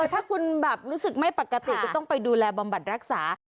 ถ้าคุณแบบรู้สึกไม่ปกติก็ต้องไปดูแลบำบัดรักษา